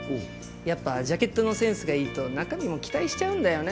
やっぱジャケットのセンスがいいと中身も期待しちゃうんだよね。